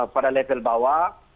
pada level bawah